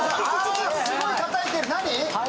すごいたたいてる、何？